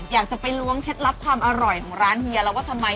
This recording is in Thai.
อยากจะไปล้วงเคล็ดลับความอร่อยของร้านเฮียแล้วว่าทำไม